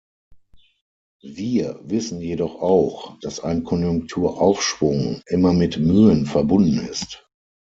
Wir wissen jedoch auch, dass ein Konjunkturaufschwung immer mit Mühen verbunden ist.